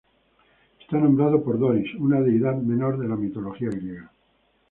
Está nombrado por Doris, una deidad menor de la mitología griega.